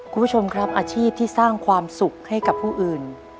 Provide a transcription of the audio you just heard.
คุณผู้ชมครับอาชีพที่สร้างความสุขให้กับผู้อื่น